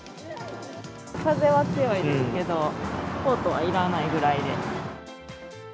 風は強いですけど、コートはいらないぐらいで。